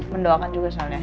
mendoakan juga soalnya